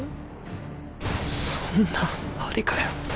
そんなんありかよ。